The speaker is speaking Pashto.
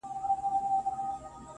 د سترگو تور مي د ايستو لائق دي.